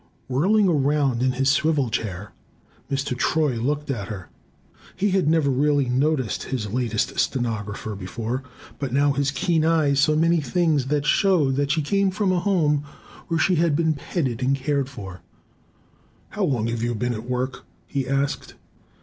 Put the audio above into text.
Whirling round in his swivel chair, Mr. Troy looked at her. He had really never noticed his latest stenographer before, but now his keen eyes saw many things that showed that she came from a home where she had been petted and cared for. "How long have you been at work?" he asked.